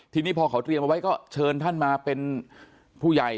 ทีนี้พอเขาเตรียมเอาไว้ก็เชิญท่านมาเป็นผู้ใหญ่